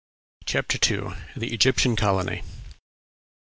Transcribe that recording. CHAPTER II. THE EGYPTIAN COLONY.